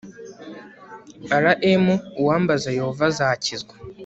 Rm uwambaza Yehova azakizwa